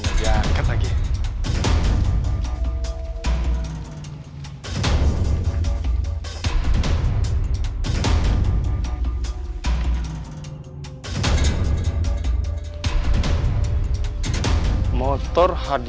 motor hadiah sayembara menangkap babi